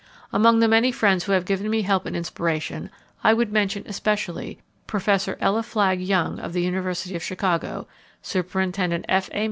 Among the many friends who have given me help and inspiration, I would mention especially, Professor Ella Flagg Young, of the University of Chicago; Superintendent F. A.